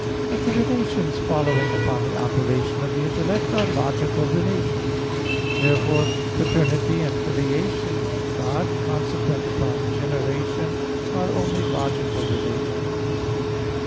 But the relations following upon the operation of the intellect are logical relations. Therefore paternity and filiation in God, consequent upon generation, are only logical relations.